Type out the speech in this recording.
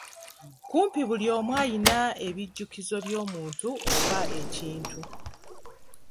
Kumpi buli omu alina ebijjukizo by'omuntu oba ekintu.